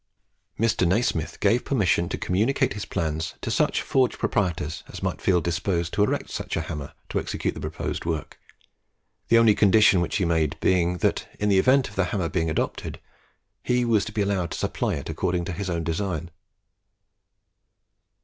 Mr. Nasmyth gave permission to communicate his plans to such forge proprietors as might feel disposed to erect such a hammer to execute the proposed work, the only condition which he made being, that in the event of his hammer being adopted, he was to be allowed to supply it according to his own design.